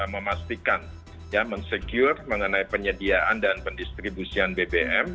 memastikan ya mensecure mengenai penyediaan dan pendistribusian bbm